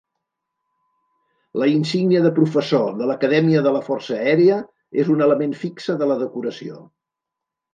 La insígnia de professor de l'Acadèmia de la Força Aèria és un element fixe de la decoració.